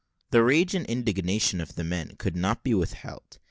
The rage and indignation of the men could not be withheld.